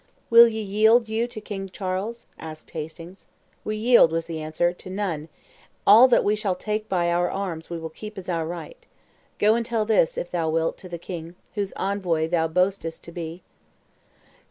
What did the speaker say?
"Will ye yield you to King Charles?" asked Hastings. "We yield," was the answer, "to none; all that we shall take by our arms we will keep as our right. Go and tell this, if thou wilt, to the king, whose envoy thou boastest to be."